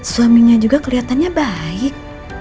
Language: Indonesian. suaminya juga kelihatannya baik